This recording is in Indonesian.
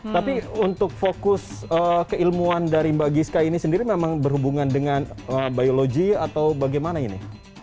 tapi untuk fokus keilmuan dari mbak giska ini sendiri memang berhubungan dengan biologi atau bagaimana ini